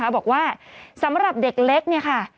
บอกว่าสำหรับเด็กเล็กเนี่ยค่ะ